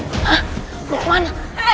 hah mau kemana